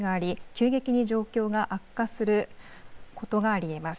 急激に状況が悪化することがあり得ます。